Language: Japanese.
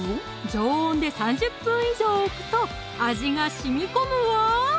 常温で３０分以上おくと味がしみこむわ！